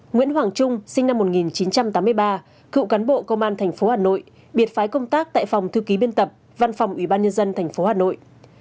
nguyễn hoàng trung sinh năm một nghìn chín trăm tám mươi ba cựu cán bộ công an tp hà nội biệt phái công tác tại phòng thư ký biên tập văn phòng ủy ban nhân dân tp hà nội